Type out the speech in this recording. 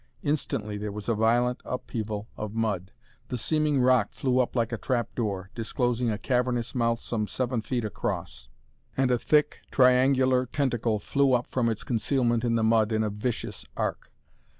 Instantly there was a violent upheaval of mud; the seeming rock flew up like a trap door, disclosing a cavernous mouth some seven feet across, and a thick, triangular tentacle flew up from its concealment in the mud in a vicious arc.